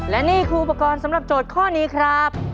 และนี่ครูประกอบสำหรับโจทย์ข้อนี้ครับ